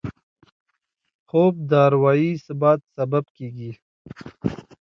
خوب د اروايي ثبات سبب کېږي